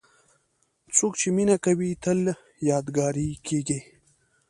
څوک چې مینه کوي، تل یادګاري کېږي.